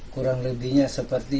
kurang lebihnya seperti